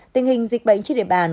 tình hình dịch bệnh trên địa bàn